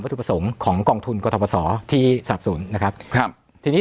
วัตถุผสมของกองทุนกฎาปศที่สนับสูตรนะครับครับทีนี้